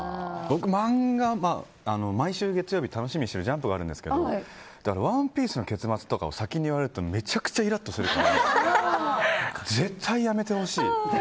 僕、毎週月曜日楽しみにしてる「ジャンプ」があるんですけど「ワンピース」の結末とかを先に言われるとめちゃくちゃイラッとするから絶対やめてほしい。